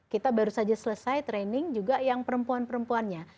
kita baru saja selesai training juga yang perempuan perempuannya